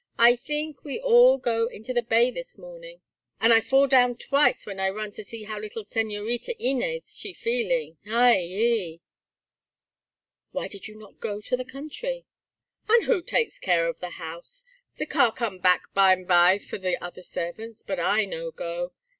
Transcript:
I theenk we all go into the bay this morning, and I fall down twice when I run to see how little Señorita Inez she feeling. Ay yi!" "Why did you not go to the country?" "And who take care the house? The car come back bime by for the other servants, but I no go.